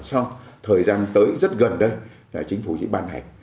sau thời gian tới rất gần đây chính phủ sẽ bàn hạch